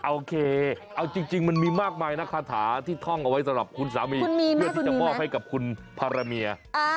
โอเคเอาจริงมันมีมากมายนะคาถาที่ท่องเอาไว้สำหรับคุณสามีเพื่อที่จะมอบให้กับคุณภารเมีย